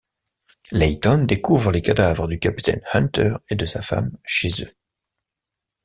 Layton découvre les cadavres du capitaine Hunter et de sa femme chez eux.